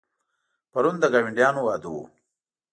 پرون د ګاونډیانو واده و.